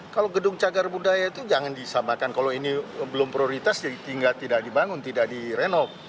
kalau gedung cagar budaya itu jangan disamakan kalau ini belum prioritas jadi tinggal tidak dibangun tidak direnov